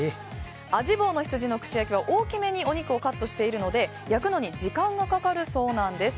味坊の羊の串焼きは、大きめにお肉をカットしているので焼くのに時間がかかるそうなんです。